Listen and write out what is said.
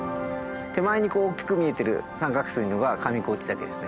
手前にこう大きく見えてる三角錐のが上河内岳ですね。